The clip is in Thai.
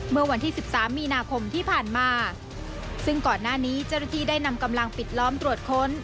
เมื่อวันที่สิบสามมีนาคมที่ผ่านมาซึ่งก่อนหน้านี้เจ้าหน้าที่ได้นำกำลังปิดล้อมตรวจค้น